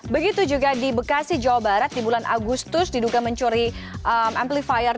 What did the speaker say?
begitu juga di bekasi jawa barat di bulan agustus diduga mencuri amplifier